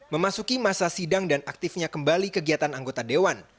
memasuki masa sidang dan aktifnya kembali kegiatan anggota dewan